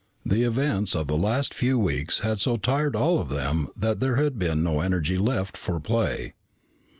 The events of the last few weeks had so tired all of them that there had been no energy left for play.